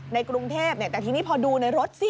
ในกรุงเทพแต่ทีนี้พอดูในรถสิ